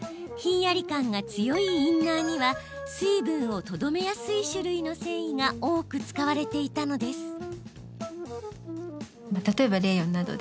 ひんやり感が強いインナーには水分をとどめやすい種類の繊維が多く使われていたのです。